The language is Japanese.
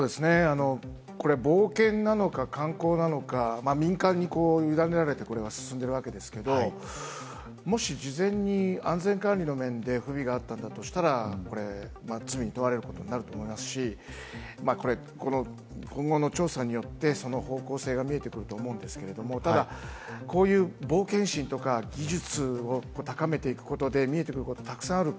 これ冒険なのか、観光なのか、民間に委ねられて、これは進んでいるわけですけれども、もし事前に安全管理の面で不備があったとしたら、これ罪に問われることになると思いますし、今後の調査によってその方向性が見えてくると思うんですけれども、ただ、こういう冒険心とか技術を高めていくことで見えてくること、たくさんある。